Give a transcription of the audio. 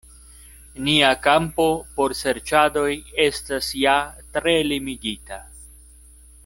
Nia kampo por serĉadoj estas ja tre limigita.